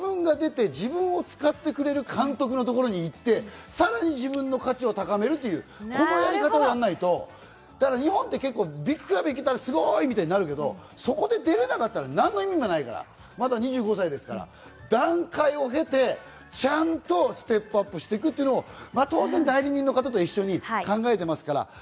自分が出て自分を使ってくれる監督のところに行って、さらに自分の価値を高めるこのやり方をやらないと、日本って結構、ビッグクラブに行けたらすごいみたいなるけど、そこで出れなかったら何の意味もないから、まだ２５歳ですから、段階を経て、ちゃんとステップアップしていくというのを当然、代理人の方と一緒に考えてますから。